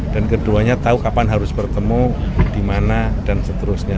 dan keduanya tahu kapan harus bertemu di mana dan seterusnya